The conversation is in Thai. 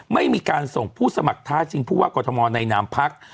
ไม่มีการส่งผู้สมัครธาตุจึงผู้ว่ากรธมในนามภักดิ์